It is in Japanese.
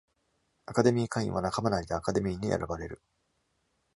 アカデミー会員は仲間内でアカデミーに選ばれる。